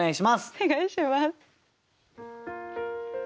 お願いします。